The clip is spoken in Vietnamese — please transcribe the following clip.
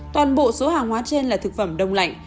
toàn bộ số hàng hóa trên là thực phẩm đông lạnh